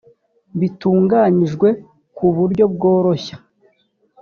bitunganyijwe ku buryo bworoshya